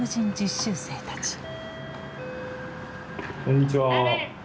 こんにちは。